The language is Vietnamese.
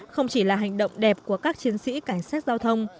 không chỉ là hành động đẹp của các chiến sĩ cảnh sát giao thông